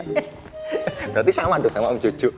berarti sama tuh sama om jojo